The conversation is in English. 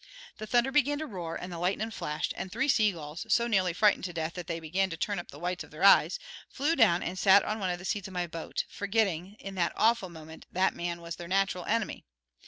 The thunder began to roar and the lightnin' flashed, and three sea gulls, so nearly frightened to death that they began to turn up the whites of their eyes, flew down and sat on one of the seats of the boat, forgettin' in that awful moment that man was their nat'ral enemy.